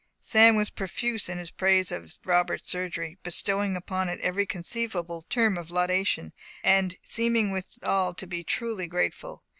Sam was profuse in his praise of Robert's surgery, bestowing upon it every conceivable term of laudation, and seeming withal to be truly grateful.